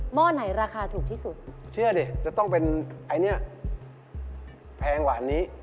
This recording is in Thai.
ห้อไหนราคาถูกที่สุดเชื่อดิจะต้องเป็นไอ้เนี้ยแพงกว่านี้